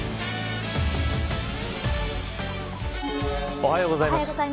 おはようございます。